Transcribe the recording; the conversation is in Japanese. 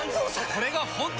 これが本当の。